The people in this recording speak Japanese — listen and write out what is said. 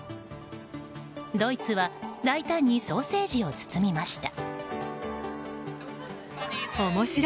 ドイツは大胆にソーセージを包みました。